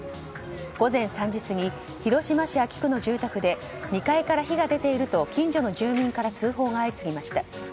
午前３時過ぎ広島市安芸区の住宅で２階から火が出ていると近所の住民から通報が相次ぎました。